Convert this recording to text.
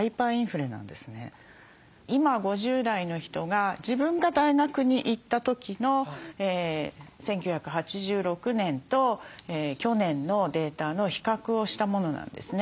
今５０代の人が自分が大学に行った時の１９８６年と去年のデータの比較をしたものなんですね。